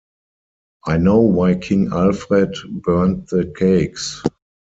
I know why King Alfred burned the cakes.